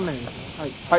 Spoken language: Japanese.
はい。